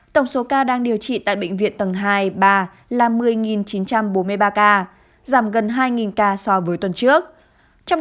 tổng số ca đang điều trị tại bệnh viện tầng hai ba là một mươi chín trăm bốn mươi ba ca giảm gần hai ca so với tuần trước